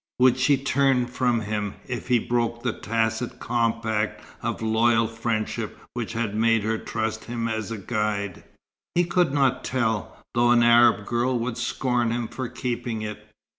Would she turn from him, if he broke the tacit compact of loyal friendship which had made her trust him as a guide? He could not tell; though an Arab girl would scorn him for keeping it.